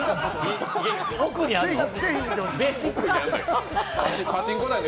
奥にあるの？